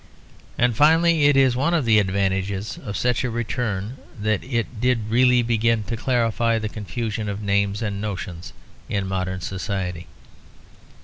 And finally it is one of the advantages of such a return that it did really begin to clarify the confusion of names and notions in modern society.